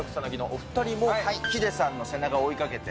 ヒデさんの背中を追いかけて。